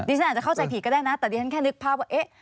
ฉันอาจจะเข้าใจผิดก็ได้นะแต่ดิฉันแค่นึกภาพว่าเอ๊ะ